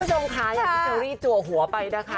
คุณผู้ชมค่ะอยากให้ทริปจัวหัวไปนะคะ